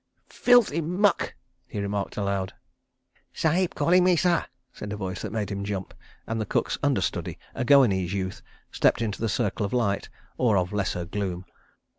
"Filthy muck," he remarked aloud. "Sahib calling me, sir?" said a voice that made him jump, and the Cook's Understudy, a Goanese youth, stepped into the circle of light—or of lesser gloom.